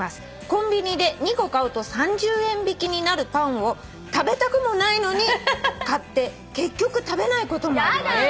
「コンビニで２個買うと３０円引きになるパンを食べたくもないのに買って結局食べないこともあります」